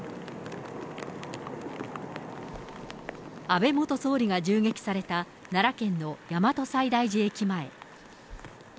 安倍元総理が銃撃された、奈良県の大和西大寺駅前。